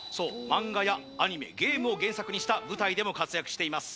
漫画やアニメゲームを原作にした舞台でも活躍しています